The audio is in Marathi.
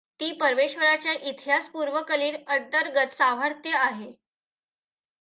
ती परमेश्वराच्या इतिहासपूर्वकलीन अंतर्गत सामर्थ्य आहे.